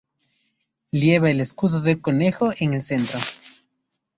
Lleva el escudo del concejo en el centro.